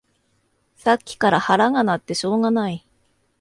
さっきから腹が鳴ってしょうがない